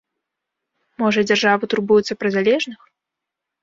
Можа, дзяржава турбуецца пра залежных?